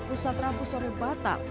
pusat rambu sorebatan